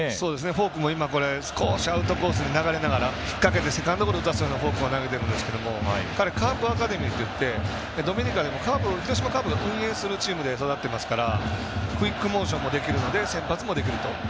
フォークも少しアウトコースに流れながら引っ掛けてセカンドボールに投げてるんですけど彼、カープアカデミーっていってドミニカでも広島カープが運営するアカデミーで育ってますからクイックモーションもできるので先発もできると。